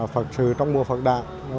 phật sự trong mùa phật đàn